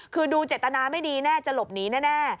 คือดูเจตนาไม่ดีแน่จะหลบหนีแน่